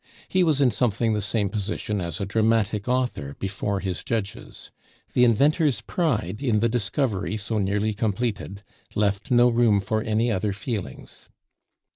He was in something the same position as a dramatic author before his judges. The inventor's pride in the discovery so nearly completed left no room for any other feelings.